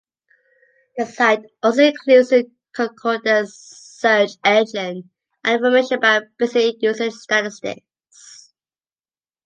The site also includes a concordance, search engine, and information about basic usage statistics.